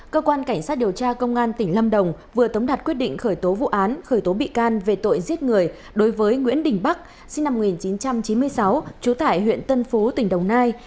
cơ quan cảnh sát điều tra công an tỉnh lâm đồng vừa tống đạt quyết định khởi tố vụ án khởi tố bị can về tội giết người đối với nguyễn đình bắc sinh năm một nghìn chín trăm chín mươi sáu trú tại huyện tân phú tỉnh đồng nai